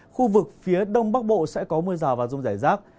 khu vực phía đông bắc bộ sẽ có mưa rào và rông rải rác